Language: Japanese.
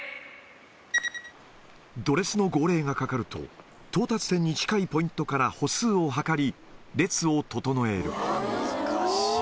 どれすの号令がかかると、到達点に近いポイントから歩数を測り、列を整える。